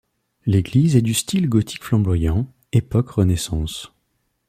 L'église est du style gothique flamboyant, époque Renaissance.